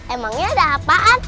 emangnya ada apaan